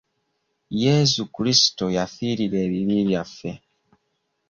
Yesu Kulisito yafirira ebibi byaffe.